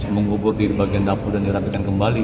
mengubur di bagian dapur dan dirapikan kembali